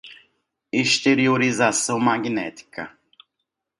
Exteriorização magnética